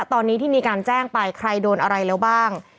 ตอนนี้ที่มีการแจ้งไปใครโดนอะไรแล้วบ้าง